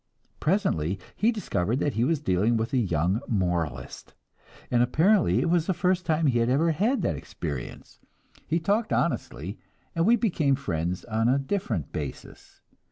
Presently he discovered that he was dealing with a young moralist, and apparently it was the first time he had ever had that experience; he talked honestly, and we became friends on a different basis.